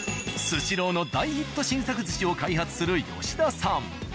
「スシロー」の大ヒット新作寿司を開発する吉田さん。